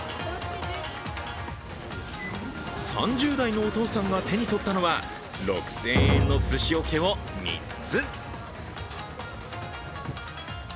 ３０代のお父さんが手に取ったのは６０００円のすし桶を３つ。